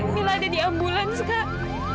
bila ada di ambulans kak